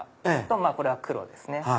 これは黒ですね。